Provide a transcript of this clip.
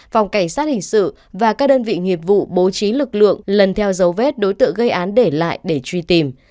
phòng cảnh sát hình sự và các đơn vị nghiệp vụ bố trí lực lượng lần theo dấu vết đối tượng gây án để lại để truy tìm